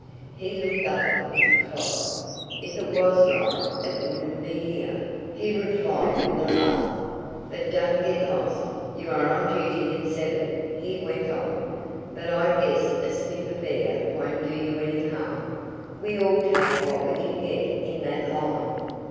He looked up at the big clock. "If it was right it wouldn't be here," he replied with a laugh. "But don't get lost. You are on duty at seven," he went on, "but I guess a sniff of air won't do you any harm. We all take what we can get in that line."